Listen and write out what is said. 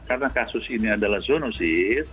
karena kasus ini adalah zoonosis